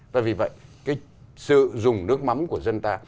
và vì vậy cái sử dụng nước mắm của dân ta